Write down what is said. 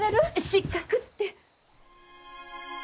失格って。